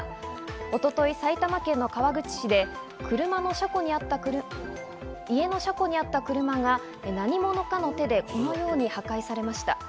一昨日、埼玉県の川口市で家の車庫にあった車が何者かの手でこのように破壊されました。